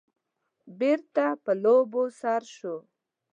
بېرته په لوبو سر شو.